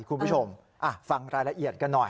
คุณผู้ชมฟังรายละเอียดกันหน่อย